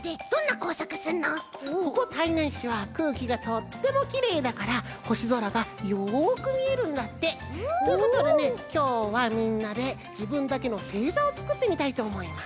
ここ胎内市はくうきがとってもきれいだからほしぞらがよくみえるんだって。ということでねきょうはみんなでじぶんだけのせいざをつくってみたいとおもいます。